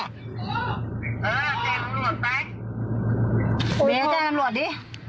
แจ้งอำรวจดิ